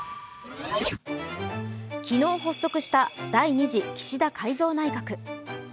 昨日発足した第２次岸田改造内閣。